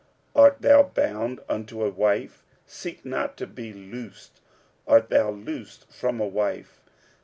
46:007:027 Art thou bound unto a wife? seek not to be loosed. Art thou loosed from a wife?